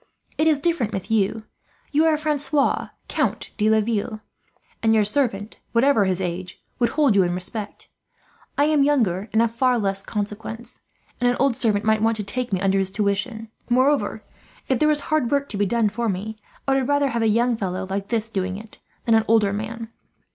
It is different with you. You are Francois, Count de Laville; and your servant, whatever his age, would hold you in respect. I am younger and of far less consequence, and an old servant might want to take me under his tuition. Moreover, if there is hard work to be done for me, I would rather have a young fellow like this doing it than an older man."